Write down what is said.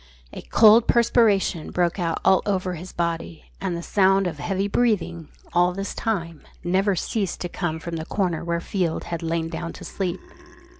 A cold perspiration broke out all over his body; and the sound of heavy breathing, all this time, never ceased to come from the corner where Field had lain down to sleep.